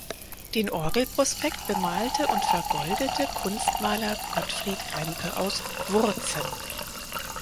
Den Orgelprospekt bemalte und vergoldete Kunstmaler Gottfried Rämpe aus Wurzen.